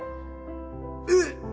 えっ？